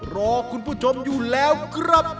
รอคุณผู้ชมอยู่แล้วครับ